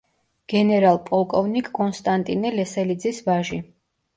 გენერალ-პოლკოვნიკ კონსტანტინე ლესელიძის ვაჟი.